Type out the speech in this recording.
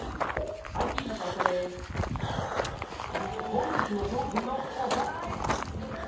本日の商品のおさらい